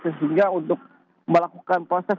sehingga untuk melakukan proses